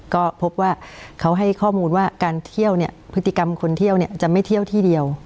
ก็พบว่าเขาให้ข้อมูลว่าการเที่ยวเนี่ยพฤติกรรมคนเที่ยวเนี่ยจะไม่เที่ยวที่เดียว